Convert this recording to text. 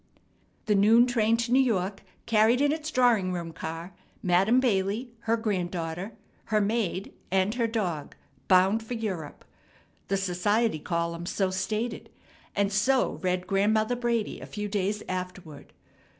The noon train to New York carried in its drawing room car Madam Bailey, her granddaughter, her maid, and her dog, bound for Europe. The society columns so stated; and so read Grandmother Brady a few days afterward.